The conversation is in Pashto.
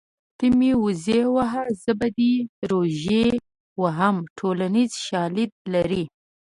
ته مې وزې وهه زه به دې روژې وهم ټولنیز شالید لري